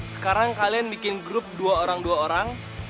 sekarang kalian bikin grup dua orang dua orang